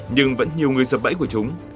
nhưng vẫn nhiều người dập bẫy của chúng